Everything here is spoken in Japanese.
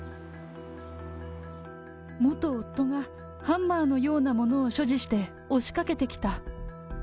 元夫がハンマーのようなものを所持して押しかけてきた。